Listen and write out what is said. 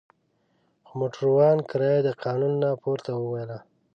خو موټروان کرایه د قانون نه پورته وویله.